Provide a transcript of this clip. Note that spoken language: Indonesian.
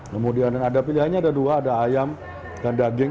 kemudian ada pilihannya ada dua ada ayam dan daging